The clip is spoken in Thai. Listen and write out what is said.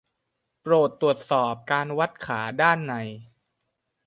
โปรดตรวจสอบการวัดขาด้านใน